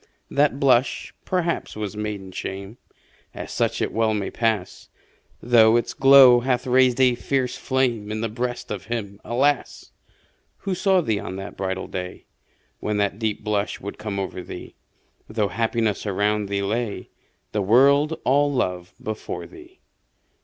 That blush, perhaps, was maiden shame As such it well may pass Though its glow hath raised a fiercer flame In the breast of him, alas! Who saw thee on that bridal day, When that deep blush would come o'er thee, Though happiness around thee lay, The world all love before thee.